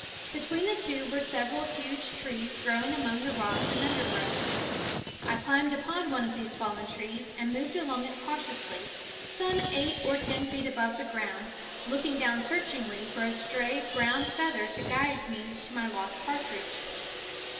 Between the two were several huge trees growing among the rocks and under brush. I climbed upon one of these fallen trees and moved along it cautiously, some eight or ten feet above the ground, looking down searchingly for a stray brown feather to guide me to my lost partridge.